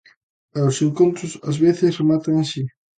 E os encontros ás veces rematan así.